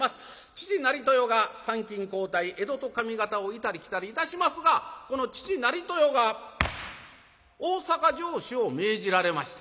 父成豊が参勤交代江戸と上方を行ったり来たりいたしますがこの父成豊が大坂城主を命じられました。